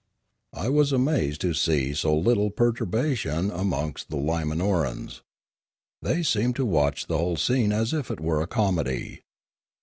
I was amazed to see so little perturbation amongst the Limanorans. They seemed to watch the whole scene as if it were a comedy.